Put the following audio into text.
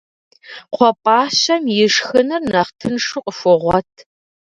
Кхъуэпӏащэм ишхынур нэхъ тыншу къыхуогъуэт.